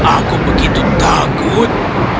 aku begitu takut